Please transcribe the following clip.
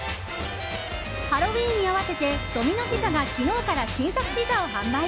ハロウィーンに合わせてドミノ・ピザが昨日から新作ピザを販売。